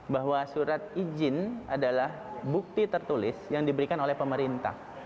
bahwa surat izin adalah bukti tertulis yang diberikan oleh pemerintah